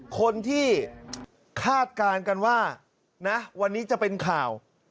คนที่คาดการณ์กันว่านะวันนี้จะเป็นข่าว